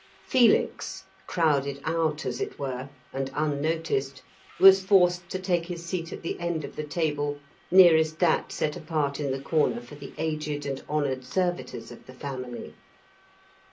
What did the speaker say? Felix, crowded out, as it were, and unnoticed, was forced to take his seat at the end of the table nearest that set apart in the corner for the aged and honoured servitors of the family.